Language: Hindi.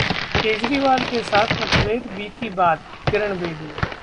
केजरीवाल के साथ मतभेद बीती बात: किरण बेदी